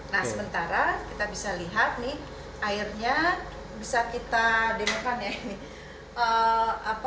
nah sementara kita bisa lihat nih airnya bisa kita demokan ya ini